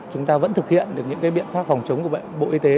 chúng ta vẫn thực hiện được những biện pháp phòng chống của bệnh bộ y tế